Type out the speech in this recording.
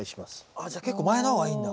あじゃあ結構前の方がいいんだ。